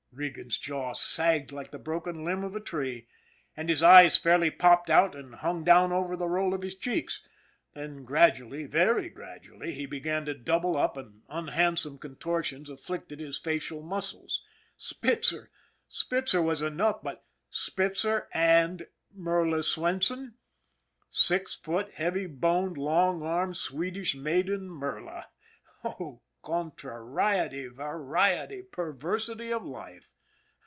Regan's jaw sagged like the broken limb of a tree, and his eyes fairly popped out and hung down over the roll of his cheeks. Then gradually, very gradually, he began to double up and unhandsome contortions afflicted his facial muscles. Spitzer! Spitzer was enough ! But Spitzer and Merla Swenson ! Six foot heavy boned long armed Swedish maiden Merla! Oh, contrariety, variety, perversity of lif e